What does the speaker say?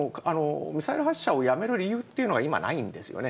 ミサイル発射をやめる理由っていうのが今ないんですよね。